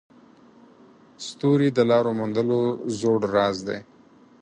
ستوري د لارو موندلو زوړ راز دی.